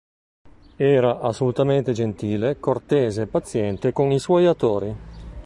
Era assolutamente gentile, cortese e paziente con i suoi attori.